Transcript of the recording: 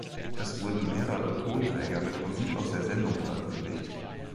Es wurden mehrere Tonträger mit Musik aus der Sendung veröffentlicht.